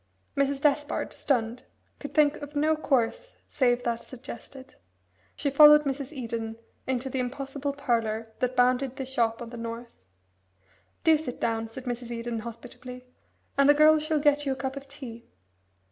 Mrs. Despard, stunned, could think of no course save that suggested. She followed Mrs. Eden into the impossible parlour that bounded the shop on the north. "Do sit down," said Mrs. Eden hospitably, "and the girl shall get you a cup of tea.